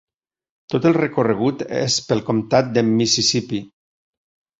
Tot el recorregut es pel comtat de Mississipí.